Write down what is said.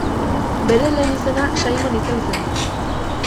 Bere lehen izena Simon izan zen.